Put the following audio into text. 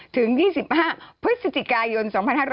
ถึง๒๕พฤศจิกายน๒๕๖๐